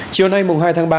chiều nay mùng hai tháng ba